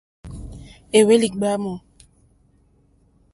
Éhwélì ɡbǎmù.